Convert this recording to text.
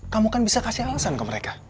kamu kan bisa kasih alasan ke mereka